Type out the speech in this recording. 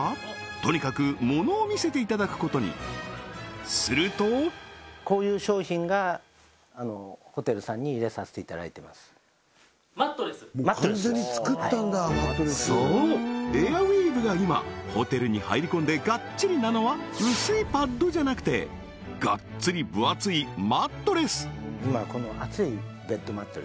とにかくものを見せていただくことにするとそうエアウィーヴが今ホテルに入り込んでがっちりなのは薄いパッドじゃなくてがっつり分厚いマットレス